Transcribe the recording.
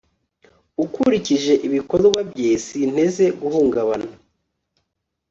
ukurikije ibikorwa bye, sinteze guhungabana